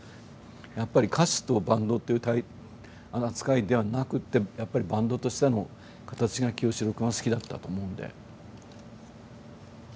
やっぱり歌手とバンドという扱いではなくってやっぱりバンドとしての形が清志郎君は好きだったと思うんで。